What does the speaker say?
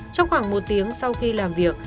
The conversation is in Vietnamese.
trong khoảng một tiếng sau khi làm việc